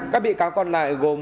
các bị cáo còn lại gồm